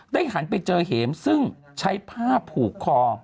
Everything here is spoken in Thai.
หันไปเจอเห็มซึ่งใช้ผ้าผูกคอ